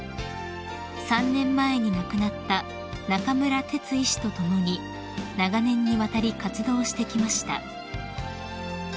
［３年前に亡くなった中村哲医師と共に長年にわたり活動してきました］